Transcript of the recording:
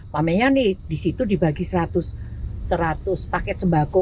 makanya nih disitu dibagi seratus paket sembako